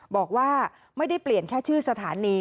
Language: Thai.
บอกว่าไม่ได้เปลี่ยนแค่ชื่อสถานี